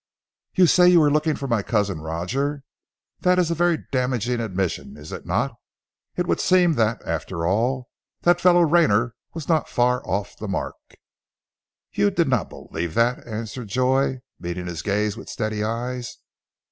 "You say you were looking for my Cousin Roger? That is a very damaging admission, is it not? It would seem that, after all, that fellow Rayner was not far off the mark." "You do not believe that?" answered Joy, meeting his gaze with steady eyes.